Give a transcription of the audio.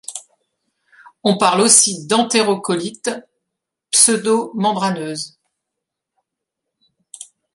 On parle aussi d'entérocolites pseudomembraneuses.